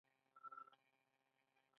رومیان له باران وروسته تازه ښکاري